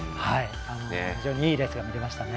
非常にいいレースが見れました。